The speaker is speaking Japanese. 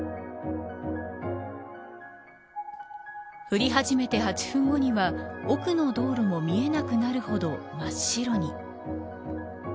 降り始めて８分後には奥の道路も見えなくなるほど真っ白に。